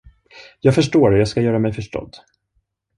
Jag förstår och jag skall göra mig förstådd.